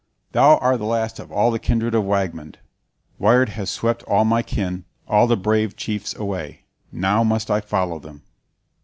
Thou art the last of all the kindred of Wagmund! Wyrd has swept all my kin, all the brave chiefs away! Now must I follow them!"